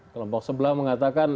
kelompok sebelah mengatakan